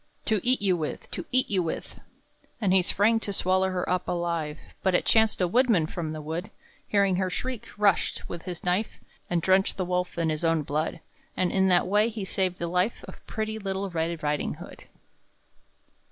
"To eat you with! to eat you with!" And he sprang to swallow her up alive; But it chanced a woodman from the wood, Hearing her shriek, rushed, with his knife, And drenched the wolf in his own blood. And in that way he saved the life Of pretty little Red Riding hood.